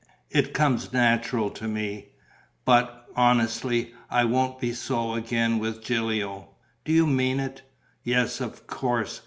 It comes natural to me. But, honestly, I won't be so again with Gilio." "Do you mean it?" "Yes, of course.